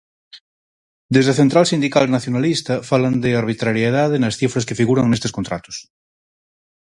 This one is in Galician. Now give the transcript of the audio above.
Desde a central sindical nacionalista falan de arbitrariedade nas cifras que figuran nestes contratos.